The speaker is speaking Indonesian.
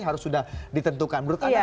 harus sudah ditentukan menurut anda